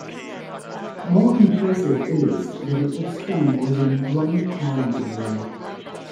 More impressive is that it was done within one calendar year.